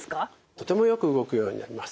とてもよく動くようになります。